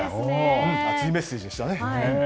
熱いメッセージでしたね。